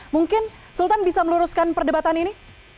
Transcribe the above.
mungkin sultan bisa meluruskan perdebatan ini